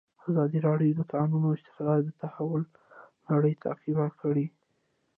ازادي راډیو د د کانونو استخراج د تحول لړۍ تعقیب کړې.